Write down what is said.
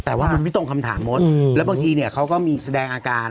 แต่ว่ามันไม่ตรงคำถามมดแล้วบางทีเนี่ยเขาก็มีแสดงอาการ